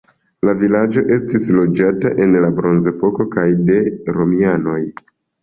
La vilaĝo estis loĝata en la bronzepoko kaj de romianoj.